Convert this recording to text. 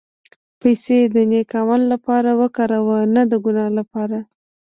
پېسې د نېک عمل لپاره وکاروه، نه د ګناه لپاره.